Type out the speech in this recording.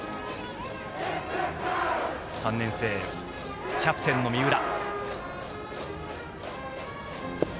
３年生、キャプテンの三浦。